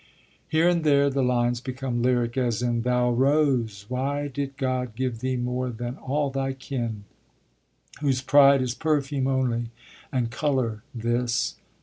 Here and there the lines become lyric, as in Thou rose, Why did God give thee more than all thy kin, Whose pride is perfume only and colour, this?